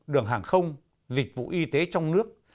đường hàng không dịch vụ y tế trong nước